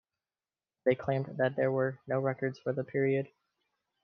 They claimed that there were no records for the period.